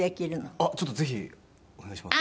あっちょっとぜひお願いします。